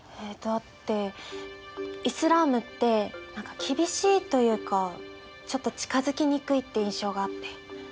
だってイスラームって何か厳しいというかちょっと近づきにくいって印象があって。